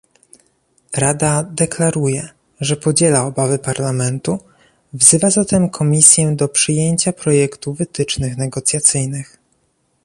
Rada deklaruje, że podziela obawy Parlamentu, wzywa zatem Komisję do przyjęcia projektu wytycznych negocjacyjnych